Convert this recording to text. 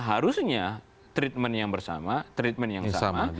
harusnya treatment yang bersama treatment yang sama